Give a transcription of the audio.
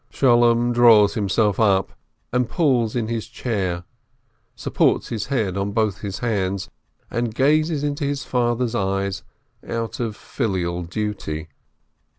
Sholem draws himself up, and pulls in his chair, supports his head with both his hands, and gazes into his father's eyes out of filial duty.